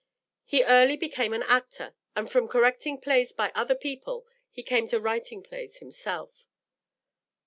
He early became an actor, and from correcting plays by other people he came to writing plays himself.